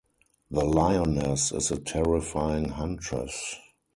The lioness is a terrifying huntress.